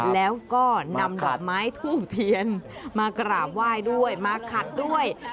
แล้วก็นำดอกไม้ทูบเทียนมากราบไหว้ด้วยมาขัดด้วย